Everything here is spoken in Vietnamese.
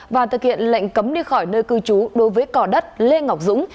và thực hiện lệnh cấm đi khỏi nơi cư trú đối với cò đất lê ngọc dũng